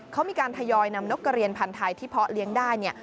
เขามีการทยอยนำนกกระเรียนพันธ์ไทยที่เพาะเลี้ยงได้เนี่ย